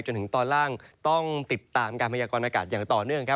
จนถึงตอนล่างต้องติดตามการพยากรณากาศอย่างต่อเนื่องครับ